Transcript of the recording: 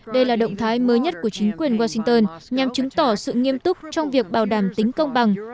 đây là động thái mới nhất của chính quyền washington nhằm chứng tỏ sự nghiêm túc trong việc bảo đảm tính công bằng